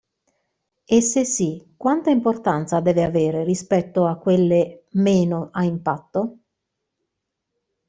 E se sì, quanta importanza deve avere rispetto a quelle meno a impatto?